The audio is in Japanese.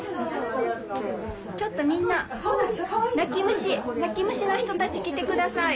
ちょっとみんな泣き虫の人たち来て下さい。